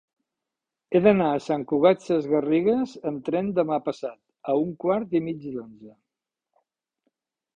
He d'anar a Sant Cugat Sesgarrigues amb tren demà passat a un quart i mig d'onze.